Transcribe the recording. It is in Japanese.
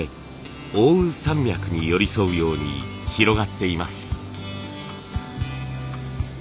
奥羽山脈に寄り添うように広がっています。